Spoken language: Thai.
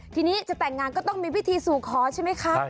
ทีนี้จะแต่งงานก็ต้องมีพิธีสู่ขอใช่ไหมครับ